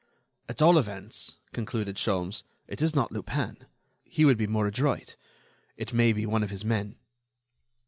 "At all events," concluded Sholmes, "it is not Lupin; he would be more adroit. It may be one of his men."